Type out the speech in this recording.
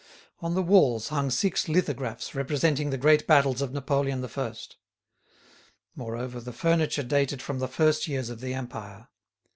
On the walls hung six lithographs representing the great battles of Napoleon I. Moreover, the furniture dated from the first years of the Empire.